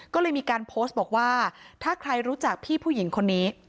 ก็เลยมีการโพสต์บอกว่าถ้าใครรู้จักพี่ผู้หญิงคนนี้